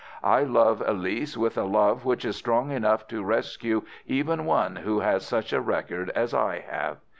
'I love Elise with a love which is strong enough to rescue even one who has such a record as I have.